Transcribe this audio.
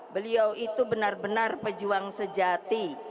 beliau itu benar benar pejuang sejati